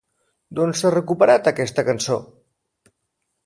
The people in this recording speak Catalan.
D'on s'ha recuperat aquesta cançó?